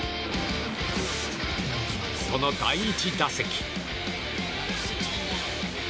その第１打席。